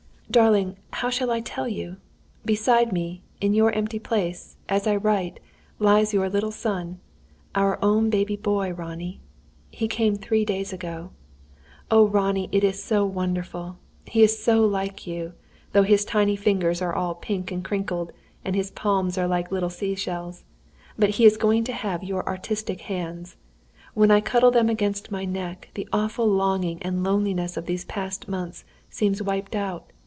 "Darling, how shall I tell you? Beside me, in your empty place, as I write, lies your little son our own baby boy, Ronnie! "He came three days ago. "Oh, Ronnie, it is so wonderful! He is so like you; though his tiny fingers are all pink and crinkled, and his palms are like little sea shells. But he is going to have your artistic hands. When I cuddle them against my neck, the awful longing and loneliness of these past months seem wiped out.